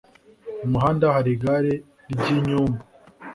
Mu muhanda hari igare ry'inyumbu.